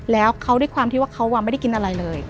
แล้วเขาด้วยความที่ว่าเขาไม่ได้กินอะไรเลย